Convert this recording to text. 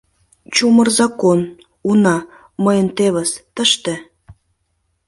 Чумыр закон... уна... мыйын тевыс... тыште...